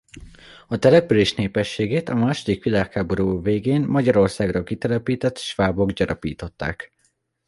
A település népességét a második világháború végén Magyarországról kitelepített svábok gyarapították.